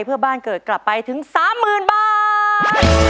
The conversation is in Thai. เพื่อบ้านเกิดกลับไปถึง๓๐๐๐บาท